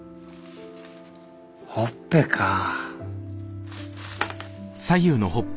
ほっぺかあ。